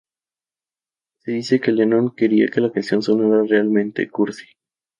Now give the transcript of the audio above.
Se dice que Lennon quería que la canción sonara "realmente cursi".